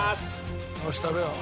よし食べよう。